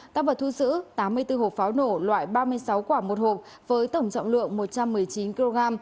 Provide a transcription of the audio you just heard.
tăng vật thu giữ tám mươi bốn hộp pháo nổ loại ba mươi sáu quả một hộp với tổng trọng lượng một trăm một mươi chín kg